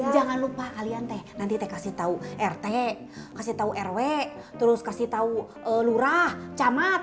jangan lupa kalian nanti kasih tau rt rw lurah camat